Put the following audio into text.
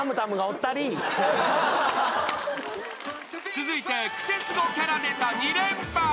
［続いてクセスゴキャラネタ２連発］